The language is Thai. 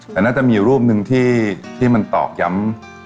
แต่น่าจะมีรูปหนึ่งที่มันตอกย้ำ